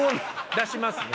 出しますね。